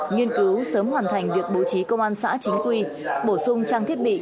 nghiên cứu sớm hoàn thành việc bố trí công an xã chính quy bổ sung trang thiết bị